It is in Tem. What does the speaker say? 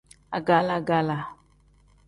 Agala-gala.